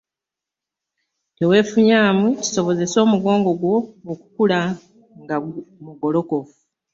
Teweefunyamu kisobozese omugongo gwo okukula nga mugolokofu.